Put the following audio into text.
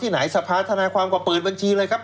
อีกไหนสภาษณ์ทนัยความก็เปิดบัญชีเลยครับ